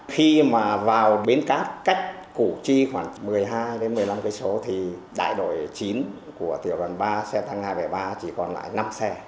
khi mà vào bến cát cách củ chi khoảng một mươi hai đến một mươi năm km thì đại đội chín của tiểu đoàn ba xe tăng hai trăm bảy mươi ba chỉ còn lại năm xe